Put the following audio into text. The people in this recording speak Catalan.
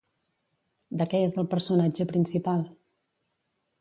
De què és el personatge principal?